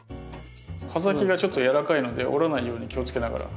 葉先がちょっと軟らかいので折らないように気をつけながら。